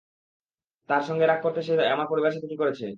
তার সাথে রাগ করাতে সে আমার পরিবারের সাথে কী করেছে।